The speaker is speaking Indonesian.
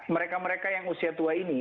mereka mereka yang usia tua ini